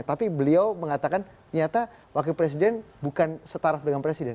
tapi beliau mengatakan nyata wakil presiden bukan setaraf dengan presiden